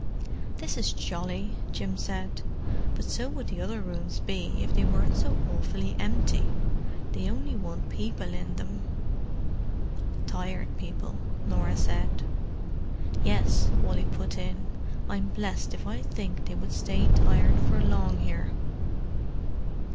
"This is jolly," Jim said. "But so would the other rooms be, if they weren't so awfully empty. They only want people in them." "Tired people," Norah said. "Yes," Wally put in. "I'm blessed if I think they would stay tired for long, here."